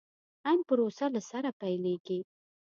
عين پروسه له سره پيلېږي.